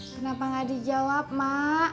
kenapa gak dijawab ma